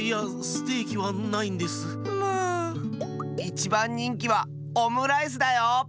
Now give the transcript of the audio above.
いちばんにんきはオムライスだよ。